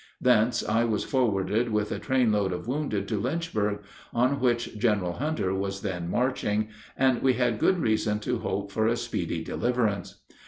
Thence I was forwarded with a train load of wounded to Lynchburg, on which General Hunter was then marching, and we had good reason to hope for a speedy deliverance.